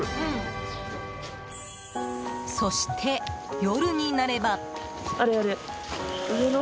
そして、夜になれば。